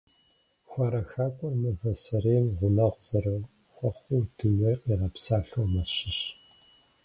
Хуарэ хакӀуэр мывэ сэрейм гъунэгъу зэрыхуэхъуу дунейр къигъэпсалъэу мэщыщ.